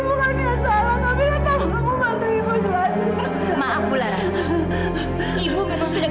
bentar pak saya mau jelasin